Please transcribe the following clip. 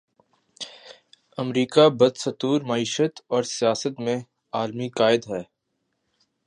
امریکہ بدستور معیشت اور سیاست میں عالمی قائد ہے۔